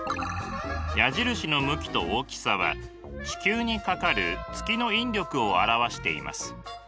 矢印の向きと大きさは地球にかかる月の引力を表しています。